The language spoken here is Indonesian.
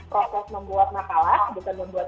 proses membuat masalah bukan membuat